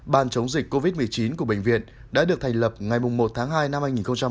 bàn chống dịch covid một mươi chín của bệnh viện đã được thành lập ngày một tháng hai năm hai nghìn hai mươi